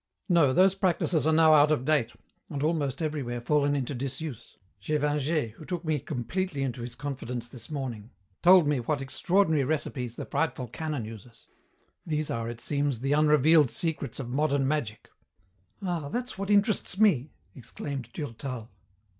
"No, those practises are now out of date and almost everywhere fallen into disuse. Gévingey who took me completely into his confidence this morning, told me what extraordinary recipes the frightful canon uses. These are, it seems, the unrevealed secrets of modern magic." "Ah, that's what interests me," exclaimed Durtal.